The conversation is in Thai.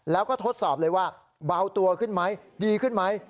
แล้วก็ทดสอบเลยว่าเบาตัวขึ้นไหมดีขึ้นไหม